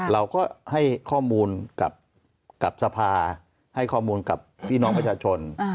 เราก็ให้ข้อมูลกับสภาให้ข้อมูลกับพี่น้องประชาชน